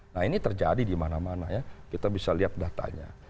nah ini terjadi di mana mana ya kita bisa lihat datanya